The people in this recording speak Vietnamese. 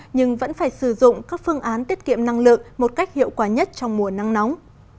nhưng vẫn phải sử dụng các phương án tiết kiệm năng lượng một cách hiệu quả nhất trong mùa nắng nóng